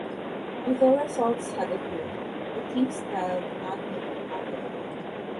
Although results had improved, the team's style did not make him popular.